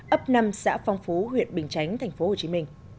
ấp năm xã phong phú huyện bình chánh tp hcm